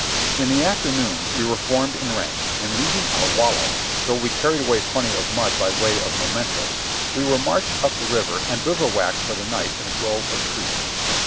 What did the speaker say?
202 JOHNNY REB AND BII^LY YANK In the afternoon we were formed in rank, and leaving our "wallow," though we carried away plenty of mud by way of me mentos, we were marched up the river and bivouacked for the night in a grove of trees.